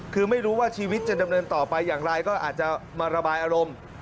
คือไม่รู้ว่าชีวิตจะดำเนินต่อไปอย่างไรก็อาจจะมาระบายอารมณ์